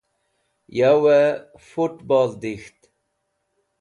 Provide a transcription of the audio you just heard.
Yowey Fut Bol Dik̃ht